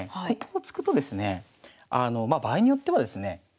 ここを突くとですね場合によってはですね